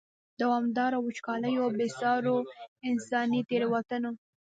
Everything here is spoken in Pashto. دوامدارو وچکالیو، بې سارو انساني تېروتنو.